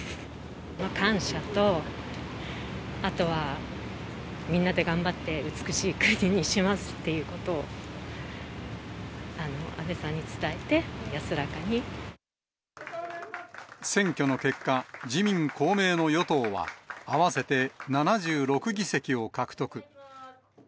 感謝と、あとはみんなで頑張って美しい国にしますっていうことを安倍さん選挙の結果、自民、公明の与党は合わせて７６議席を獲得。